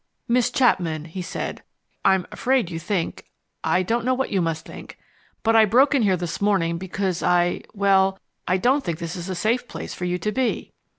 "Miss Chapman," he said, "I'm afraid you think I don't know what you must think. But I broke in here this morning because I well, I don't think this is a safe place for you to be."